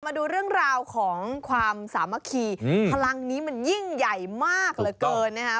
มาดูเรื่องราวของความสามัคคีพลังนี้มันยิ่งใหญ่มากเหลือเกินนะครับ